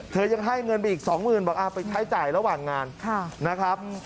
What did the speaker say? ยังให้เงินไปอีก๒๐๐๐บอกไปใช้จ่ายระหว่างงานนะครับ